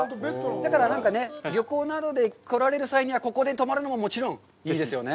だから何かね、旅行などで来られる際にはここで泊まるのももちろんいいですよね。